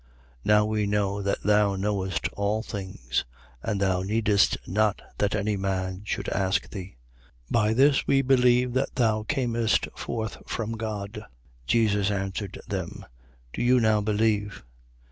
16:30. Now we know that thou knowest all things and thou needest not that any man should ask thee. By this we believe that thou camest forth from God. 16:31. Jesus answered them: Do you now believe?